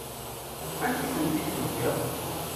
Amek i ten-id-tufiḍ?